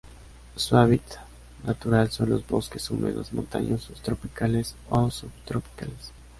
Su hábitat natural son los bosques húmedos montañosos tropicales o subtropicales.